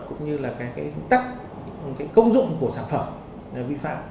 cũng như là cái tắc cái công dụng của sản phẩm vi phạm